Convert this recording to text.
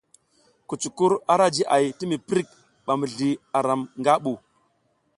Kucukur ara jiʼay ti mi prik ba mizli aram nga ɓu.